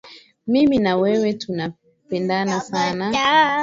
Mimi na wewe 'tapendana sana.